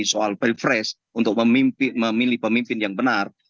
soal pilpres untuk memilih pemimpin yang benar